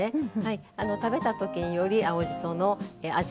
食べた時により青じその味